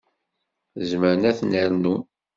Zemren ad ten-rnun.